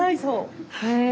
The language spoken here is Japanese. へえ。